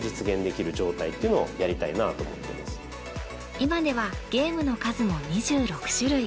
今ではゲームの数も２６種類。